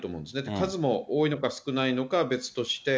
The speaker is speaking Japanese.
数も多いのか、少ないのか、別として。